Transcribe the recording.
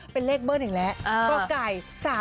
เป็นเลขเบอร์หนึ่งแล้วก็ไก่๓๔๒๒